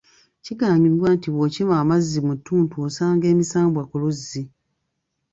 Kigambibwa nti bw’okima amazzi mu ttuntu osanga emisambwa ku luzzi.